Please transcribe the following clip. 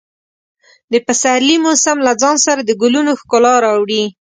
د پسرلي موسم له ځان سره د ګلونو ښکلا راوړي.